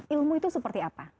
ilmu itu seperti apa